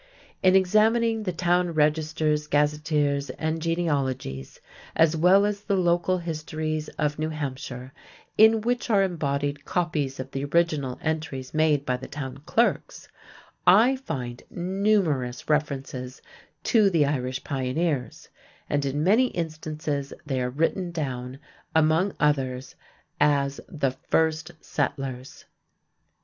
In examining the town registers, gazeteers, and genealogies, as well as the local histories of New Hampshire, in which are embodied copies of the original entries made by the Town Clerks, I find numerous references to the Irish pioneers, and in many instances they are written down, among others, as "the first settlers."